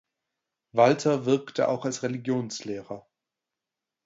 Walter wirkte auch als Religionslehrer.